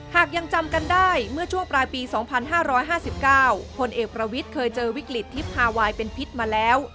หากยังจำกันได้เมื่อช่วงปลายปี๒๕๕๙พลเอกประวิทย์เคยเจอวิกฤตทิพฮาไวน์เป็นพิษมาแล้ว